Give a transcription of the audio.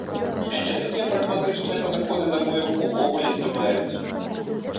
Мяне такія прагматычныя падыходы да боек увогуле здзіўляюць.